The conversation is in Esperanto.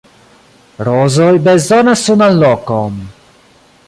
Rozoj bezonas sunan lokon!